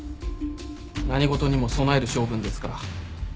何事にも備える性分ですから。